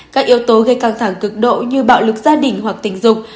các yếu tố gây căng thẳng cực độ như bạo lực gia đình hoặc tình dục